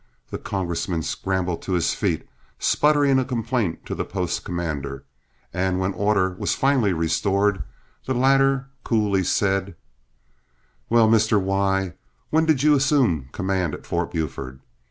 The congressman scrambled to his feet, sputtering a complaint to the post commander, and when order was finally restored, the latter coolly said: "Well, Mr. Y , when did you assume command at Fort Buford?